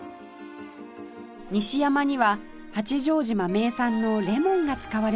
西山には八丈島名産のレモンが使われています